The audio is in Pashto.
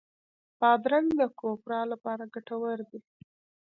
بادرنګ د کوپرا لپاره ګټور دی.